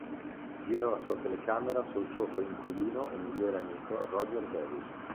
Gira la sua telecamera sul suo coinquilino e migliore amico Roger Davis.